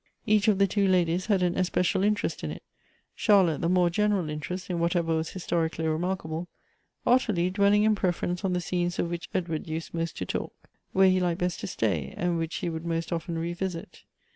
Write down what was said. Each of the two ladies had an especial interest in it — Charlotte the more general interest in whatever was historically remarkable ; Ottilie dwelling in preference on the scenes of whicl) Edward used most to talk, — where he liked best to stay, and which he would most often re visit.